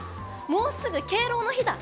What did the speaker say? もうすぐ敬老の日だ！